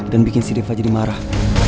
dan bikin si riva jadi marah